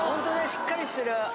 しっかりしてる。